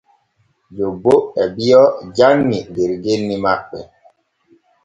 Jobbo e biyo janŋi der genni maɓɓe.